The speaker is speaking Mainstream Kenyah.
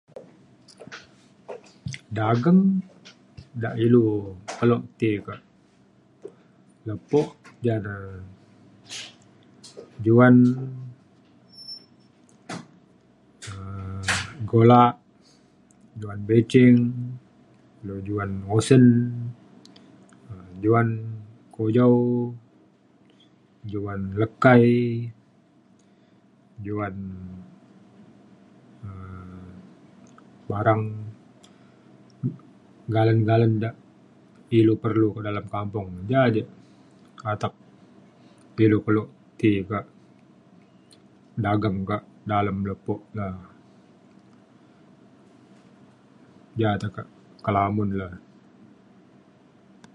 dageng dak ilu kelo ti kak lepo ja ne juan um gulak juan bicing lu juan usen um juan kujau juan lekai juan um barang galen galen ja ilu perlu kak dalem kampung. ja je atek pilu perlu ti kak dageng kak dageng dalem lepo da. ja tekak kelamun le